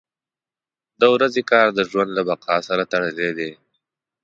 • د ورځې کار د ژوند له بقا سره تړلی دی.